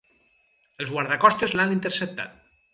Els guardacostes l’han interceptat.